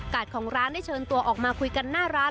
ของร้านได้เชิญตัวออกมาคุยกันหน้าร้าน